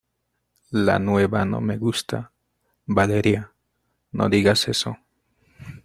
la nueva no me gusta. Valeria, no digas eso